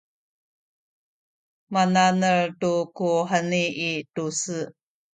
mana’nel tu ku heni i tu-se